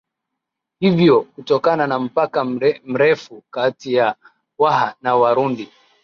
Hivyo kutokana na mpaka mrefu kati ya waha na warundi